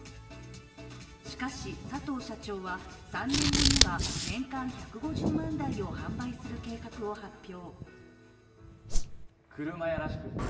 しかし、佐藤社長は３年後には年間１５０万台を販売する計画を発表。